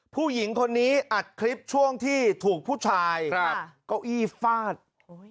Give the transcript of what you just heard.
ผู้หญิงคนนี้อัดคลิปช่วงที่ถูกผู้ชายครับเก้าอี้ฟาด